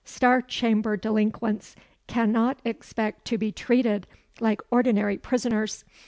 Star Chamber delinquents cannot expect to be treated like ordinary prisoners.